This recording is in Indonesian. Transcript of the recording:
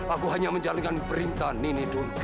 aku hanya menjalankan perintah nini dulu